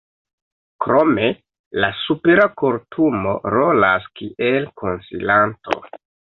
Krome la Supera Kortumo rolas kiel konsilanto.